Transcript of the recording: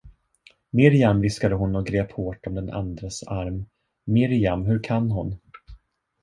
Mirjam, viskade hon och grep hårt om den andras arm, Mirjam, hur kan hon?